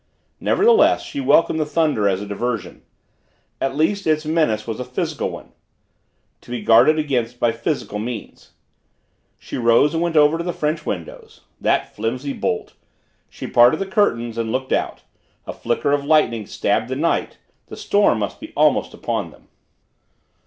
Nevertheless she welcomed the thunder as a diversion. At least its menace was a physical one to be guarded against by physical means. She rose and went over to the French windows. That flimsy bolt! She parted the curtains and looked out a flicker of lightning stabbed the night the storm must be almost upon them.